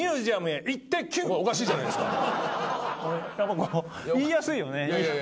やっぱ言いやすいよね。